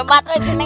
hebat wajah nen